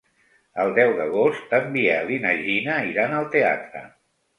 El deu d'agost en Biel i na Gina iran al teatre.